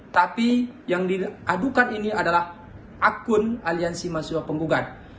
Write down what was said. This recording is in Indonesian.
tapi yang diadukan ini adalah akun aliansi mahasiswa penggugat